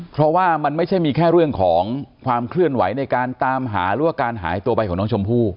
เพราะว่ามันไม่ใช่มีแค่เรื่องของความเคลื่อนไหวในการตามหาหรือว่าการหายตัวไปของน้องชมพู่